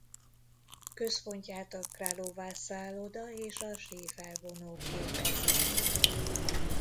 Központját a Králová szálloda és a sífelvonók képezik.